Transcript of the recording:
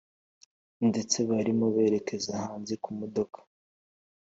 ndetse barimo bererekera hanze kumodoka